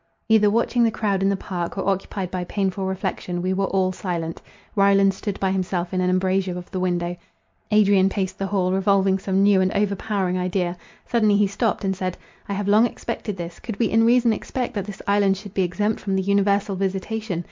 Either watching the crowd in the park, or occupied by painful reflection, we were all silent; Ryland stood by himself in an embrasure of the window; Adrian paced the hall, revolving some new and overpowering idea—suddenly he stopped and said: "I have long expected this; could we in reason expect that this island should be exempt from the universal visitation?